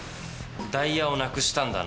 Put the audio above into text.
ダイヤをなくしたんだな。